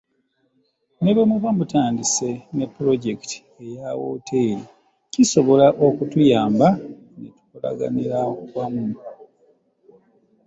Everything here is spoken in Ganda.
Ne bw'emuba mutandise ne pulojekiti eya wooteeri kisobola okutuyamba ne tukolaganira wamu.